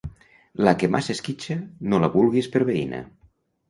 La que massa esquitxa no la vulguis per veïna.